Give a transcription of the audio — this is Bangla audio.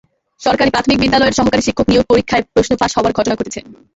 সরকারি প্রাথমিক বিদ্যালয়ের সহকারী শিক্ষক নিয়োগ পরীক্ষার প্রশ্ন ফাঁস হওয়ার ঘটনা ঘটেছে।